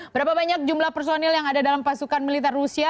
berapa banyak jumlah personil yang ada dalam pasukan militer rusia